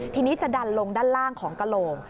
ทีนี้จะดันลงด้านล่างของกระโหลก